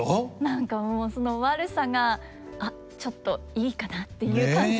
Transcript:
何かその悪さが「あっちょっといいかな」っていう感じに。